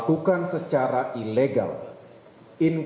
ketua umum partai demokrat jemaat